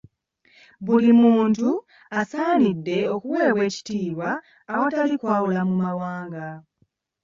Buli muntu assanidde okuweebwa ekitiibwa awatali kwawula mu mawanga.